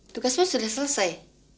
tugasmu sudah selesai